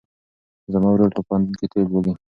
زما ورور په پوهنتون کې طب لولي.